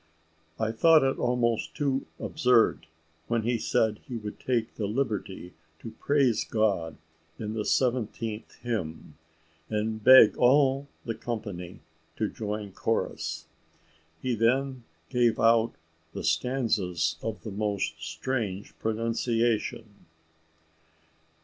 I thought it almost too absurd, when he said he would take the liberty to praise God in the 17th hymn, and beg all the company to join chorus. He then gave out the stanzas in the most strange pronunciation.